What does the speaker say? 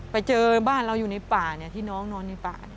ไปเจอบ้านเราอยู่ในป่าที่น้องนอนในป่า